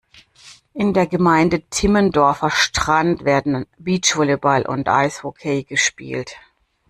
In der Gemeinde Timmendorfer Strand werden Beachvolleyball und Eishockey gespielt.